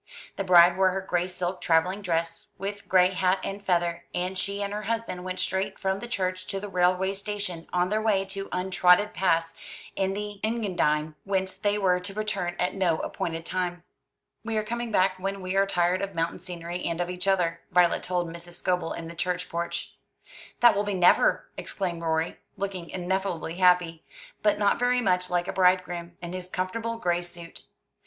The bride wore her gray silk travelling dress, with gray hat and feather, and she and her husband went straight from the church to the railway station, on their way to untrodden paths in the Engadine, whence they were to return at no appointed time. "We are coming back when we are tired of mountain scenery and of each other," Violet told Mrs. Scobel in the church porch. "That will be never!" exclaimed Rorie, looking ineffably happy, but not very much like a bride groom, in his comfortable gray suit.